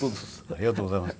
ありがとうございます。